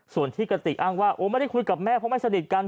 ส่วนที่กระติกอ้างว่าโอ้ไม่ได้คุยกับแม่เพราะไม่สนิทกัน